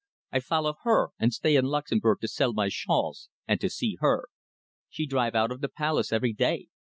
I follow her, and stay in Luxemburg to sell my shawls, and to see her. She drive out of the palace every day.